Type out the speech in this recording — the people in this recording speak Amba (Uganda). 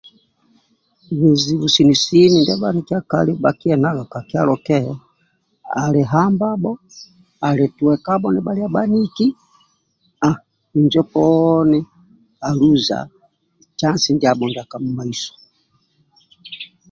Bizibu sini sini ndia bhanikiekali bhkienagavka kyalo ke andi hambabho ali twekabho nibhalia bhaniki injo poni ali luza cansi ndiabho ndia kamumaiso